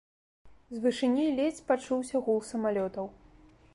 З вышыні ледзь пачуўся гул самалётаў.